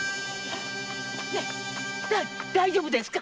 大丈夫ですか？